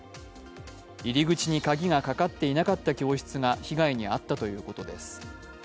入り口に鍵がかかっていなかった教室が被害に遭ったということです。